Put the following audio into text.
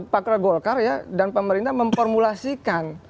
pak gregorkar ya dan pemerintah memformulasikan